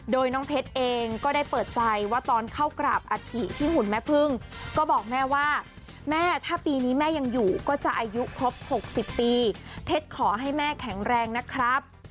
โดยน้องเพชรเองก็ได้เปิดใจว่าตอนเข้ากราบอัฐิที่หุ่นแม่พึ่งก็บอกแม่ว่าแม่ถ้าปีนี้แม่ยังอยู่ก็จะอายุครบ๖๐ปีเพชรขอให้แม่แข็งแรงนะครับ